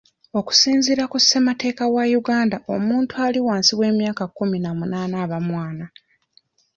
Okusinziira ku ssemateeka wa Uganda, omuntu ali wansi w'emyaka kkumi n'amunaana aba mwana.